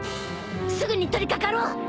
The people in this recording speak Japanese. すぐに取り掛かろう。